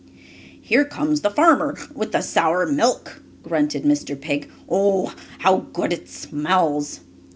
"Here comes the farmer with the sour milk," grunted Mr. Pig. "Oh, how good it smells!"